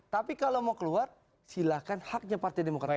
tapi kalau mau keluar silahkan haknya partai demokrat